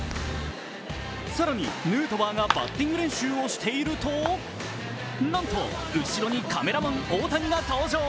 更に、ヌートバーがバッティング練習をしているとなんと後ろにカメラマン・大谷が登場。